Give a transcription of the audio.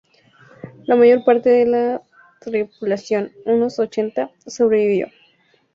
La mayor parte de la tripulación —unos ochenta— sobrevivió.